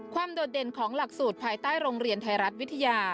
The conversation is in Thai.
โดดเด่นของหลักสูตรภายใต้โรงเรียนไทยรัฐวิทยา